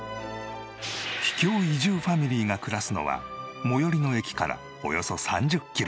秘境移住ファミリーが暮らすのは最寄りの駅からおよそ３０キロ。